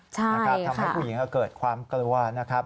ใช่นะครับทำให้ผู้หญิงเกิดความกลัวนะครับ